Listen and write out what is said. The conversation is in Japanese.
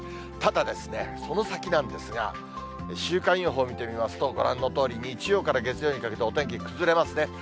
ただですね、その先なんですが、週間予報見てみますと、ご覧のとおり、日曜から月曜にかけてお天気崩れますね。